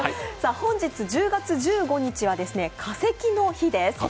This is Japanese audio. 本日１０月１５日は化石の日です。